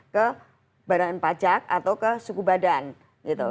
ke badan pajak atau ke suku badan gitu